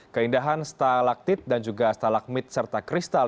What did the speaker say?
keindahan stalaktit dan juga stalagmit serta kristal